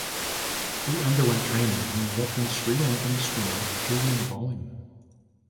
He underwent training from the veteran Sri Lankan swimmer Julian Bolling.